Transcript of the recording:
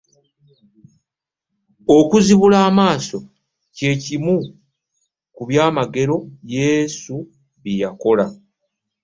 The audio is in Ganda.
Okuzibula amaaso, kye kimu ku by'amagero Yesu bye yakola.